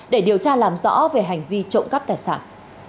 để điều tra làm rõ về hành vi trộm cắp tài sản